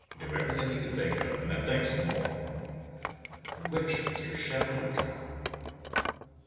Do everything you can think of, and then think of some more. I wish Mr. Shepard would come!"